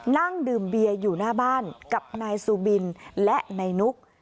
นั่งดื่มเบียร์อยู่หน้าบ้านกับนายซูบินและนายนุก